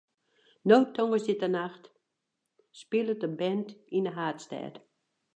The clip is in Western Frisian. No tongersdeitenacht spilet de band yn de haadstêd.